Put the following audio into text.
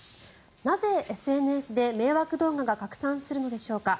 なぜ、ＳＮＳで迷惑動画が拡散するのでしょうか。